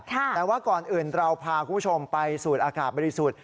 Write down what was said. แต่ว่าก่อนอื่นเราพาคุณผู้ชมไปสูดอากาศบริสุทธิ์